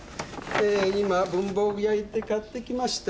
今文房具屋行って買ってきました。